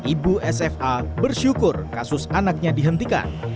ibu sfa bersyukur kasus anaknya dihentikan